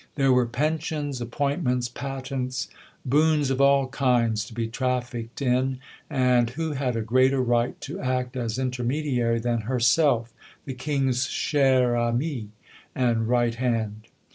There were pensions, appointments, patents boons of all kinds to be trafficked in; and who had a greater right to act as intermediary than herself, the King's chère amie and right hand?